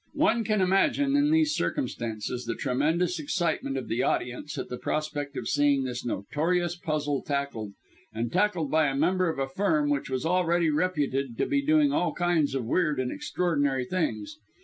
One can imagine, in these circumstances, the tremendous excitement of the audience at the prospect of seeing this notorious puzzle tackled and tackled by a member of a Firm which was already reputed to be doing all kinds of weird and extraordinary things.